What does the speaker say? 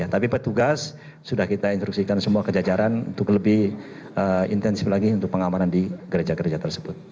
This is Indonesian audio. tapi petugas sudah kita instruksikan semua kejajaran untuk lebih intensif lagi untuk pengamanan di gereja gereja tersebut